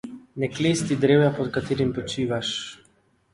Ne klesti drevja pod katerim počivaš.